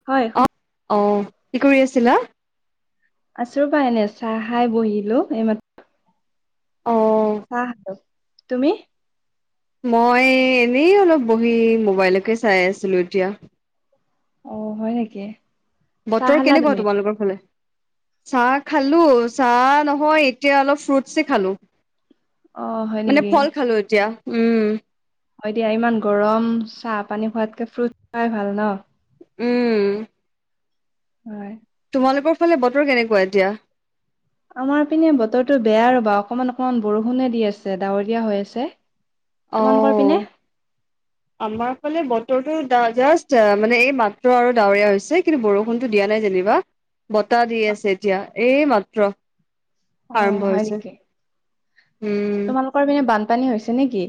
হয়। অ শুনি অ, কি কৰি আছিলা? আছো ৰ'বা এনে, চাহ খাই বহিলো এই মাত অ। চাহ খালো। তুমি? মই এনেই অলপ বহি মোবাইলকে চাই আছিলো এতিয়া। অ হয় নেকি চাহ বতৰ খালা কেনেকুৱা তুমি তোমালোকৰ ফালে? চাহ খালো চাহ নহয় এতিয়া অলপ ফ্ৰুটছে খালোঁ। অ হয় মানে নেকি ফল খালো এতিয়া। উম হয় দিয়া ইমান গৰম চাহপানী খোৱাতকৈ ফ্ৰুট খুৱাই ভাল ন? উম হয় তোমালোকৰ ফালে বতৰ কেনেকুৱা এতিয়া? আমাৰ পিনে বতৰটো বেয়া ৰবা অকণমান অকণমান বৰষুণে দি আছে, ডাৱৰীয়া হৈ আছে। তোমালোকৰ পিনে অ [inaudible] আমাৰ ফালে বতৰটো জাষ্ট মানে এই মাত্ৰ আৰু ডাৱৰীয়া হৈছে কিন্তু বৰষুণটো দিয়া নাই যেনিবা। বতাহ দি আছে এতিয়া, এই মাত্ৰ অ আৰম্ভ হয় হৈছে। নেকি উম তোমালোকৰ পিনে বানপানী হৈছে নেকি?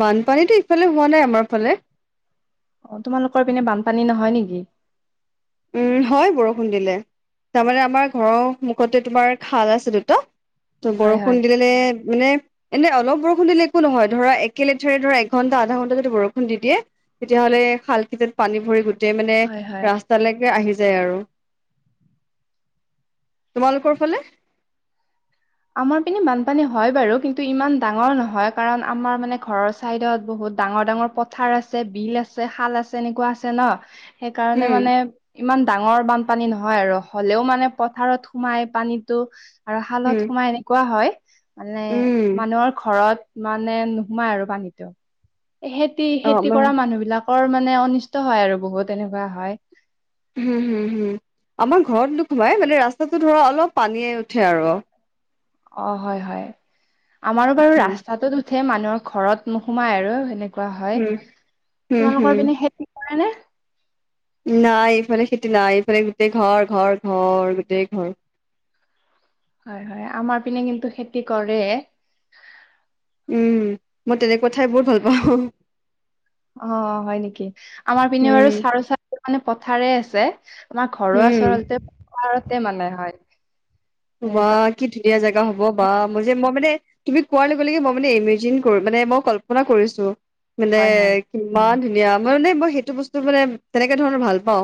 বানপানীতো ইফালে হোৱা নাই আমাৰ ফালে অ তোমালোকৰ পিনে বানপানী নহয় নেকি? উম হয় বৰষুণ দিলে তাৰমানে আমাৰ ঘৰৰ সমুখতে তোমাৰ খাল আছে দুটা ত হয় বৰষুণ হয় দিলে মানে এনে অলপ বৰষুণ দিলে একো নহয়। ধৰা একে লেঠাৰিৰে ধৰা এঘণ্টা আধা ঘণ্টা যদি বৰষুণ দি দিয়ে তেতিয়াহ'লে খাল কেইটাত পানী ভৰি গোটেই মানে হয় হয় ৰা স্তালেকে আহি যায় আৰু তোমালোকৰ ফালে? আমাৰ পিনে বানপানী হয় বাৰু কিন্তু ইমান ডাঙৰ নহয় কাৰণ আমাৰ মানে ঘৰৰ চাইডত বহুত ডাঙৰ ডাঙৰ পথাৰ আছে, বিল আছে, শাল আছে এনেকুৱা আছে ন সেইকাৰণে উম, মানে ইমান ডাঙৰ বানপানী নহয় আৰু হলেও মানে পথাৰত সোমাই পানীটো আৰু উম, শালত সোমাই এনেকুৱা হয় মানে উম, মানুহৰ ঘৰত মানে নোসোমাই আৰু পানীতো সেতি অ' সেতি আমাৰ কৰা মানুহ বিলাক কৰ মানে অনিষ্ট হয় আৰু বহুত এনেকুৱা হয়। হম হম হম আমাৰ ঘৰত নোসোমাই মানে ৰাস্তাটো ধৰা অলপ পানীয়ে উঠে আৰু অ হয় হয়। আমাৰো বাৰু ৰাস্তাটোত উঠে মানুহৰ ঘৰত নোসোমাই আৰু সেনে কুৱা হয় উম, হম, হম। তোমালোকৰ পিনে খেতি কৰানে? নাই এইফালে খেতি নাই, এইফালে গোটেই ঘৰ ঘৰ ঘৰ গোটেই ঘৰ। হয় হয় আমাৰ পিনে কিন্তু খেতি কৰে উম মই তেনেকুৱা ঠাই বহুত ভাল পাওঁ অ হয় নেকি আমাৰ পিনে বাৰু উম, চাৰ চাৰ মানে পথাৰে আছে আমাৰ ঘৰৰ উম, ওচৰতে পাহাৰতে মানে হয় বা তেনেকুৱা কি ধুনীয়া জেগা হ'ব বা মই যে মই মানে তুমি কোৱাৰ লগে লগে মই মানে ইমেজিন কৰো মানে মই কল্পনা কৰিছো মানে হয় হয় ইমান ধুনীয়া মই মানে মই সেইটো বস্তু মানে তেনেকে ধৰণৰ ভাল পাওঁ।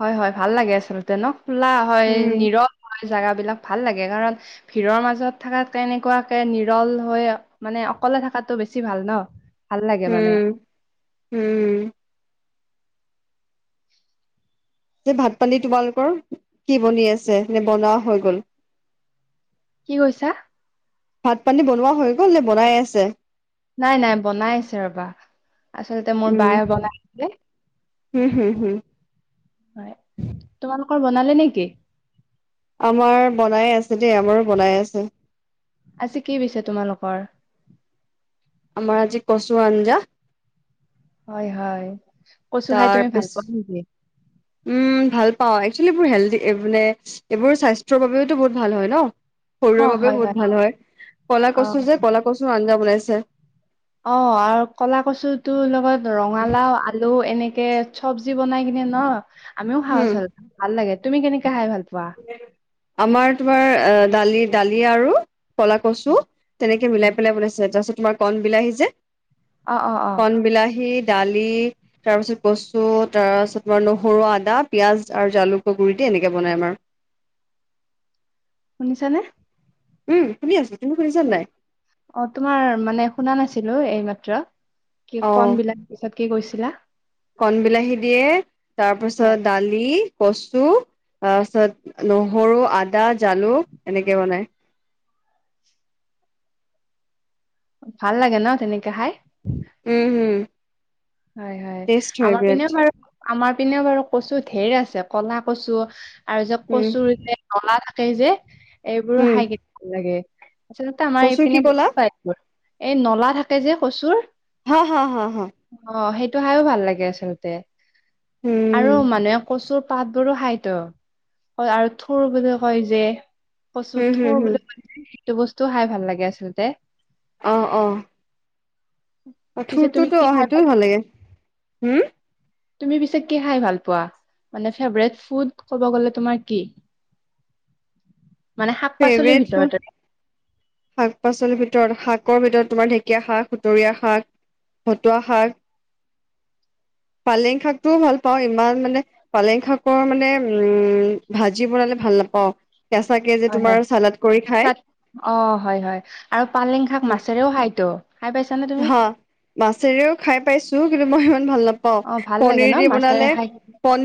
হয় হয় ভাল লাগে আচলতে ন খোলা হয়, উম, নীৰৱ হয় জাগা বিলাক ভাল লাগে কাৰণ ভিৰৰ মাজত থকাতকে এনেকুৱাকে নিৰল হৈ মানে অকলে থকাতটো বেছি ভাল ন ভাল লাগে মানে উম, উম যে ভাত পানী তোমালোকৰ কি বনি আছে? নে বনোৱা হৈ গ'ল? কি কৈছা? ভাত-পানী বনোৱা হৈ গ'ল নে বনাই আছে? নাই নাই বনাই আছে ৰবা, আচলতে মোৰ উম, বায়ে বনাই আছে। হুম হুম হুম। হয়, তোমালোকৰ বনালে নেকি? আমাৰ বনাই আছে দেই আমাৰো বনাই আছে। আজি কি পিছে তোমালোকৰ? আমাৰ আজি কচু আঞ্জা। হয় হয়। কচু খাই তাৰ তুমি ভাল পিছ, পোৱা নেকি? উমঁ' ভাল পাওঁ, একচুৱেলি এইবোৰ হেলডি মানে এইবোৰ স্বাস্থ্যৰ বাবেওতো বহুত ভাল হয় ন'। শৰীৰৰ অ', বাবেও হয়, বহুত ভাল হয়। ক'লা কচু অ', যে ক'লা কচুৰ আঞ্জা বনাইছে। অঁ' আৰু ক'লা কচুটো লগত ৰঙালাও, আলু এনেকে চব্জি বনাই কিনে ন' আমিও হম খাওঁ [unintelligible] ভাল লাগে। তুমি কেনেকে খাই ভাল পোৱা? আমাৰ, তোমাৰ দালি দালি আৰু ক'লা কচু তেনেকে মিলাই পেলাই বনাইছে তাৰপিছত তোমাৰ কণ বিলাহী যে অহ'-অহ'-অহ'। কণ বিলাহী, দালি তাৰপিছত কচু তাৰপাছত নহৰু, আদা, পিয়াজ আৰু জালুকৰ গুৰি দি এনেকে বনাই আমাৰ। শুনিছা নে? উমঁ' শুনি আছো। তুমি শুনিছানে নাই? অঁ' তোমাৰ মানে শুনা নাছিলো এইমাত্ৰ। কি অ কণ বিলাহী পিছত কি কৈছিলা? কণ বিলাহী দিয়ে তাৰপিছত হয়, দালি কচু তাৰপিছত নহৰু, আদা, জালুক এনেকে বনাই। ভাল লাগে ন' তেনেকে খাই? উমঁ' হুম। হয় হয়, আমাৰ পিনেও বাৰু আমাৰ পিনেও বাৰু কচু ঢেৰ আছে, ক'লা কচু আৰু যে উম কচুৰ যে নলা থাকে যে এইবোৰো উম খাই কি ভাল লাগে। আচলতে আমাৰ কচু কি এইপিনে ক'লা বহুত পাই এইবোৰ, এই নলা থাকে যে কচুৰ। হাঁ হাঁ হাঁ হাঁ। অঁ' সেইটো খাইও ভাল লাগে আচলতে আৰু উম মানুহে কচুৰ পাতবোৰো খাইতো আৰু থোৰ বুলি কয় যে কচুৰ হম হম থোৰ হম বুলি কয় সেইটো বস্তু খাই ভাল লাগে আচলতে। অঁ অঁ। অঁ, ‌ পিছে তুমি ঠুৰটোতো কি অঁ' খাই সেইটোও ভাল লাগে। হ'ম? তুমি পিছে কি খাই ভাল পোৱা মানে ফেভাৰেট ফুড ক'ব গ'লে তোমাৰ কি? [unintelligible] পাচলিৰ ফেভৰেট ভিতৰত ফুড আৰু। শাক-পাচলিৰ ভিতৰত শাকৰ ভিতৰত তোমাৰ ঢেকীয়া শাক, সুতৰীয়া শাক খুতুৱা শাক পালেং শাকটোও ভাল পাওঁ ইমান মানে পালেং শাকৰ মানে উমঁ' ভাজি বনালে ভাল নাপাওঁ। কেচাকে হয় হয়, অঁ' হয় হয় আৰু পালেং শাক মাছেৰেও খায়তো। খাই পাই হা, মাছেৰেও খাই পাইছো কিন্তু মই ইমান ভাল না পাওঁ, অ ভাল লাগে পনিৰ ন দি মাছেৰে বনালে খাই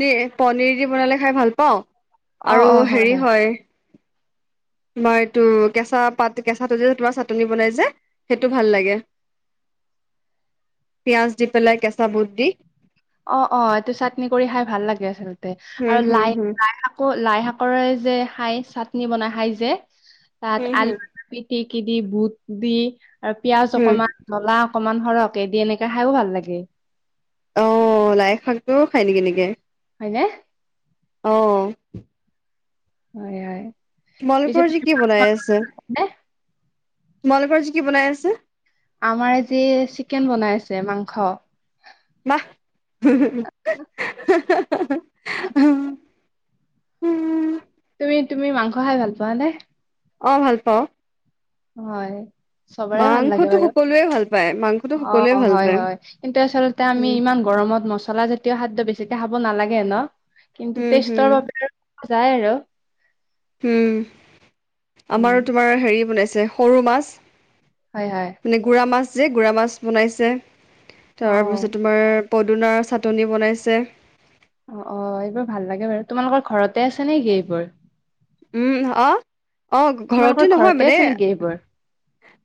লি পনিৰ দি খাই ভাল পাওঁ, আৰু হেৰি হয়। তোমাৰ এইটো কেঁচা পাত কেঁচা ত যে তোমাৰ চাটনি বনাই যে সেইটো ভাল লাগে। পিয়াঁজ দি পেলাই কেঁচা বুট দি। অঁ অঁ এইটো চাটনি কৰি খাই ভাল লাগে আচলতে, হম আৰু হম লাই হম লাই শাক আকৌ লাই শাকৰে যে খাই চাটনি বনাই খাই যে, তাত হম আলু হম পিটিকি দি বুট দি আৰু পিয়াজ হম অকমান জ্বলা অকমান সৰহকে দি এনেকে খাইও ভাল লাগে। অঁ লাই শাকটোও খায় নেকি এনেকে? হয়নে। অঁ হয় হয়। পিছে তোমালকৰ আজি তুমি কি বনাই আছে? নে তোমালোকৰ আজি কি বনাই আছে? আমাৰ আজি চিকেন বনাই আছে মাংস। [inaudible] তুমি তুমি মাংস খাই ভাল পোৱা নে? অঁ ভাল পাও। হয় চবৰে ভাল লাগে মাংসটো বাৰু, সকলোৱে ভাল পায়, মাংসটো সকলোৱে অঁ ভাল হয় পায়। হয় কিন্তু আচলতে আমি উম, ইমান গৰমত মচলাজাতীয় খাদ্য বেছিকে খাব নালাগে ন, কিন্তু হুম, হুম, টেষ্টৰ বাবে যাই আৰু। উম, উম, আমাৰো তোমাৰ হেৰি বনাইছে সৰু মাছ। হয় হয়। মানে গুৰা মাছ যে গুৰা মাছ বনাইছে, অ' তাৰপিছত তোমাৰ পদুনাৰ চাটনি বনাইছে। অ অ এইবোৰ ভাল লাগে বাৰু, তোমালোকৰ ঘৰতে আছে নেকি এইবোৰ? উম অঁহ অঁহ তোমালোকৰ ঘৰতে নহয় মানে আছে নেকি এইবোৰ?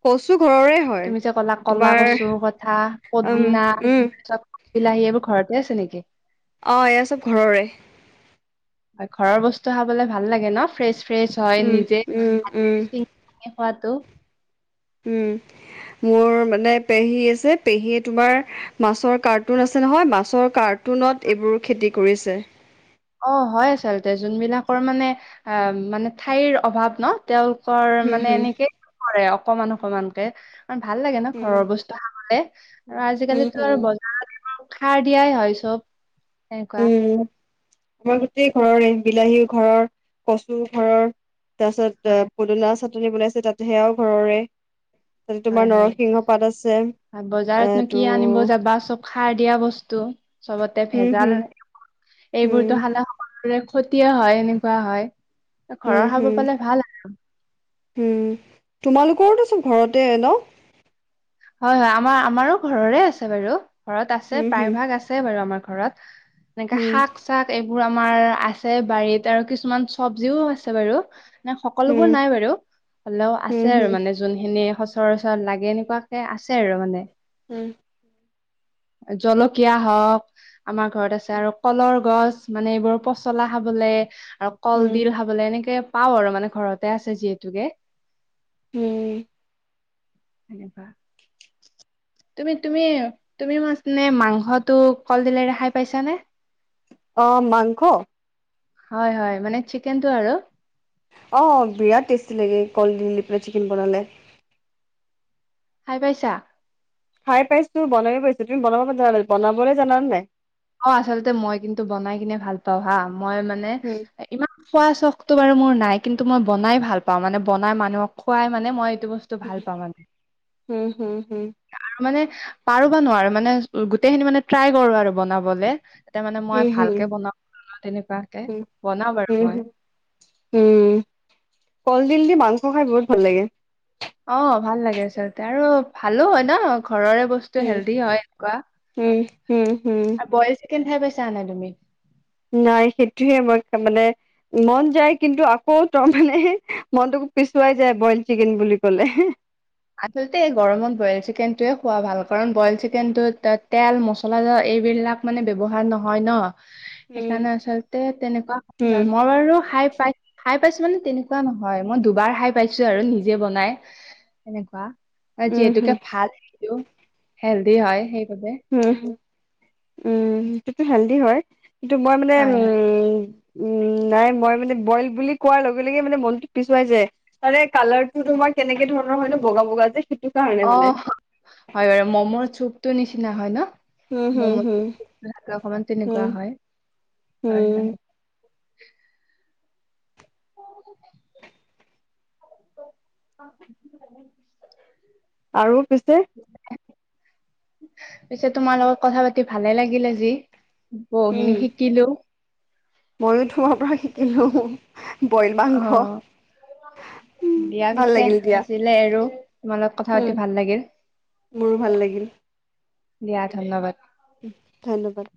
কচু ঘৰৰে হয়। তুমি যে ক'লা কলা তোমাৰ কচুৰ কথা উম, পদিনা উম, তাৰপিছত বিলাহী এইবোৰ ঘৰতে আছে নেকি? অঁ এয়া চব ঘৰৰে। হয় ঘৰৰ বস্তু খাবলে ভাল লাগে ন, ফ্ৰেছ ফ্ৰেছ হয় উম, নিজে উম, উম। মি খোৱাটো। উম, মোৰ মানে পেহী আছে পেহীয়ে তোমাৰ মাছৰ কাৰ্টুন আছে নহয়, মাছৰ কাৰ্টুনত এইবোৰ খেতি কৰিছে। অঁ হয় আচলতে যোনবিলাকৰ মানে অ মানে ঠাইৰ অভাৱ ন তেওঁলোক কৰ হুম, মানে হুম, এনেকেই কৰে অকমান অকমানকে। ভাল লাগে ন উম, ঘৰৰ বস্তু খাবলে, আৰু উম, আজিকালিতো হুম, আৰু বজাৰ উম তোমাৰ সাৰ দিয়াই হয়, চব সেনেকুৱা। উম, আমাৰ গোটেই ঘৰৰে বিলাহী ঘৰৰ কচু ঘৰৰ তাৰপিছত হয় পদুনা চা টনি বনাইছে তাততে সেইআও ঘৰৰে। তাতে তোমাৰ হয় হয় নৰসিংহ পাত আছে, আৰু বজাৰতনো কি এটো আনিব যাবা চব সাৰ দিয়া বস্তু চবতে হম, ভেজাল হম, এইবোৰতো হম, খালে খতিয় হয় এনেকুৱা হয, হম, ঘৰৰ খাব হম, পালে ভাল হম, তোমালোকৰতো চব ঘৰতে ন? হয়, হয়, আমাৰ, আমাৰো ঘৰৰে আছে বাৰু, ঘৰত আছে হম, প্ৰায় হম, ভাগ আছ আছে বাৰু আমাৰ ঘৰত, এনেকে হম, শাক। চাক এইবোৰ আমাৰ আছে বাৰীত, আৰু কিছুমান চবজিও আছে বাৰু। মানে সকলোবোৰ হম, নাই বাৰু, হ'লেও আছে আৰু হম, হম, মানে যোনখিনি সচৰাচৰ লাগে এনেকুৱা। কে আছে আৰু মানে। উম। জলকীয়া হওঁক, আমাৰ ঘৰত আছে আৰু কলৰ গছ। মানে এইবোৰ পচলা খাবলে, আৰু হম, কলডিল খাবলে এনেকে। পাওঁ আৰু মানে ঘৰতে আছে যিহেতুকে। উম [unintelligible] তুমি, তুমি তুমি মাছনে, মাংসটো কলডিলেৰে খাই পাইছানে? অ', মাংস? হয়, হয়, মানে চিকেনটো আৰু। অ', বিৰাট টেষ্টি লাগে কলডিল দি পেলাই চিকেন বনালে। খাই পাইছা? খাই পাইছোঁ, বনায়ো পাইছোঁ, তুমি বনাব জানা বনাবলৈ জানানে নাই? অ', আচলতে মই কিন্তু বনাই কেনে ভাল পাওঁ হা, মই মানে উম, ইমান খোৱা চখতো বাৰু মোৰ নাই, কিন্তু মই বনাই ভাল পাওঁ মানে, বনাই মানুহক খোৱাই মানে মই এইটো বচ টো ভাল পাৱ মানে। হুম, হুম, হুম, আৰু মানে পাৰোঁ বা নোৱাৰোঁ মানে গোটেইখিনি মানে ট্ৰাই কৰোঁ আৰু বনাবলে। এতিয়া মানে হুম, মই হুম, ভালকে বনাওঁ তেনেকুৱাকে হুম, বনাওঁ হুম, বাৰু মই। হুম। উম, কলডিল দি মাংস খাই বহুত ভাল লাগে। অ', ভাল লাগে আচলতে, আৰু ভালো হয়, ন ঘৰৰে বচ টো, উম, হেল্ডি হয়, এনেকুৱা উম, উম, উম, আৰু বইল চিকেন খাই পাইছানে নাই তুমি? নাই, সেইটোহে মই মানে মন যায় কিন্তু, আকৌ তৰ মানে মনটোকো পিছুৱাই যায় বইল চিকেন বুলি ক'লে। আচলতে গৰমত বইল চিকেনটোৱে খোৱা ভাল, কাৰণ বইল চিকেনটোত তে-তেল, মচলা এইবিলাক মানে ব্যৱহাৰ নহয় ন? উম, সেইকাৰণে আচলতে তেনেকুৱা উম, ভাল, মই বাৰু খাই পাই খাই পাইছোঁ, মানে তেনেকুৱা নহয়, মই দুবাৰ খাই পাইছোঁ আৰু নিজে বনাই। সেনেকুৱা উম, যিহেতুকে হম, ভাল সেইটো হেলডি হয়, সেইবাবে উম, উম, সেইটোতো হেলডি হয়, কিন্তু মই মানে হয় হয় উম উম, নাই মই মানে বইল বুলি কোৱাৰ লগে, লগে মানে মনটো পিছুৱাই যায়। কালাৰটো তোমাৰ কেনেকে ধৰণৰ হয় ন' বগা, বগা যে, সেইটো কাৰণে মানে। অ', হয় বাৰু ম'মৰ চুপটো নিচিনা হয়, ন? উম, হুম, ম'ম হুম, অকনমান হুম, তেনেকুৱা হয়, হয়, হুম হয়। [unintelligible] আৰু পিছে? পিছে, তোমাৰ লগত কথা পাতি ভালে লাগিলে যি। উম, বহুখিনি শিকিলোঁ। ময়ো তোমাৰ পৰা শিকিলোঁ বইল মাংস। অ দিয়া ভাল পিছে লাগিল দিয়া, আজিলে এৰোঁ, তোমাৰ লগত কথা উম, পাতি ভাল লাগিল। মোৰো ভাল লাগিল। দিয়া, ধন্যবাদ। ধন্যবাদ।